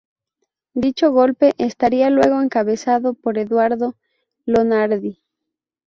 Dicho golpe estaría luego encabezado por Eduardo Lonardi.